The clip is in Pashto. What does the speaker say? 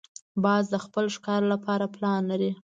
باز د خپل ښکار لپاره پلان لري